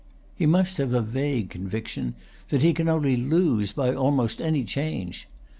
He must have a vague conviction that he can only lose by almost any change.